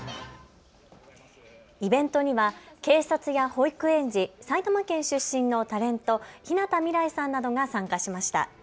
イベントには警察や保育園児、埼玉県出身のタレント、日向未来さんなどが参加しました。